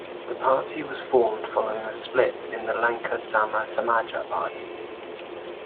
The party was formed following a split in the Lanka Sama Samaja Party.